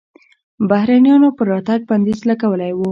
بهرنیانو پر راتګ بندیز لګولی و.